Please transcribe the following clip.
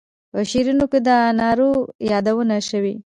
په شعرونو کې د انارو یادونه شوې.